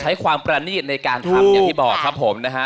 ใช้ความประนีตในการทำอย่างที่บอกครับผมนะฮะ